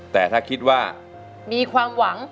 แต่ถ้าคิดว่ามีความหวัง